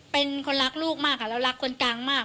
เป็นคนรักลูกมากค่ะแล้วรักคนกลางมาก